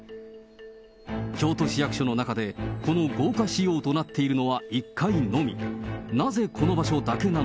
京都市役所の中で、この豪華仕様となっているのは、１階のみ。